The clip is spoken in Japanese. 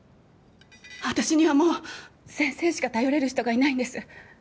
私にはもう先生しか頼れる人がいないんです。